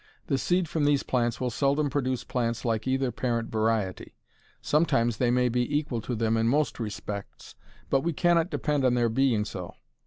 The seed from these plants will seldom produce plants like either parent variety. Sometimes they may be equal to them in most respects, but we cannot depend on their being so.